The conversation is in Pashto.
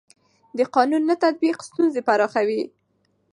د قانون نه تطبیق ستونزې پراخوي